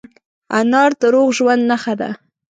انار د روغ ژوند نښه ده.